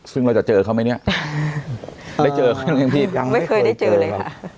ซึ่งเราจะเจอเขาไหมเนี้ยได้เจอไม่เคยได้เจอเลยค่ะ